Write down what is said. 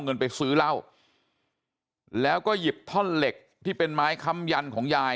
เงินไปซื้อเหล้าแล้วก็หยิบท่อนเหล็กที่เป็นไม้ค้ำยันของยาย